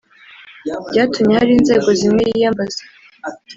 byatumye hari inzego zimwe yiyambaza